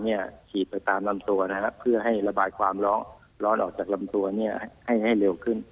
ฉีดไปตามลำตัวนะครับเพื่อให้ระบายความร้อนออกจากลำตัวให้เร็วขึ้น